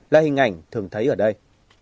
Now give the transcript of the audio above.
là hình ảnh thường thấy ở đây